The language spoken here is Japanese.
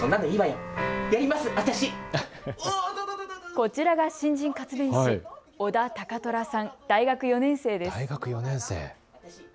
こちらが新人活弁士、尾田直彪さん、大学４年生です。